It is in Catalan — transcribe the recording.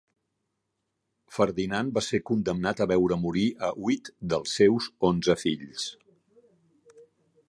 Ferdinand va ser condemnat a veure morir a huit dels seus onze fills.